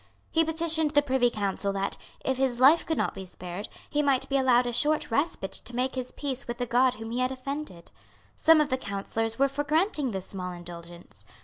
He petitioned the Privy Council that, if his life could not be spared, he might be allowed a short respite to make his peace with the God whom he had offended. Some of the Councillors were for granting this small indulgence.